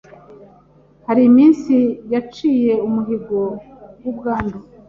hari iminsi yaciye umuhigo w'ubwandu